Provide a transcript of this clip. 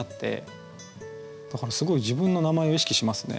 だからすごい自分の名前を意識しますね。